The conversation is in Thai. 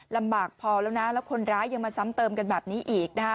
ลำบากพอแล้วนะแล้วคนร้ายยังมาซ้ำเติมกันแบบนี้อีกนะคะ